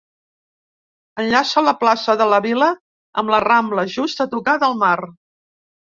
Enllaça la plaça de la Vila amb la Rambla, just a tocar del mar.